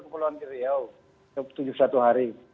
kepulauan riau tujuh puluh satu hari